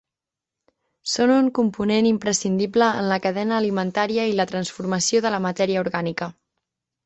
Són un component imprescindible en la cadena alimentària i la transformació de la matèria orgànica.